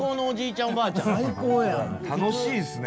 楽しいですね。